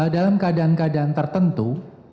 dalam keadaan keadaan tertentu